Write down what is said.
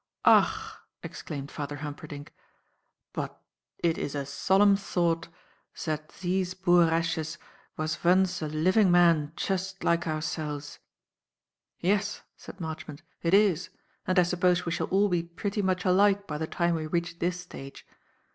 "Ach!" exclaimed Father Humperdinck, "bot it is a solemn zought zat zese boor ashes vas vunce a living man chust like ourselves." "Yes," said Marchmont, "it is, and I suppose we shall all be pretty much alike by the time we reach this stage.